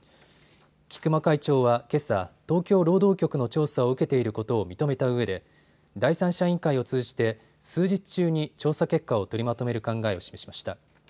菊間会長はけさ、東京労働局の調査を受けていることを認めたうえで第三者委員会を通じて数日中に調査結果を取りまとめる考えを示しました。